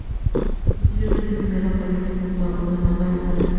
Posteriormente, fue enviado a París junto con su hermano, el infante Felipe.